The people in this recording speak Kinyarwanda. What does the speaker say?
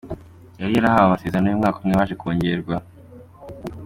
Yari yarahawe amasezerano y’umwaka umwe, waje kongerwa.